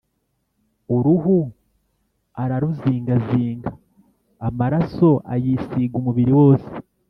Uruhu araruzingazinga, amaraso ayisiga umubiri wose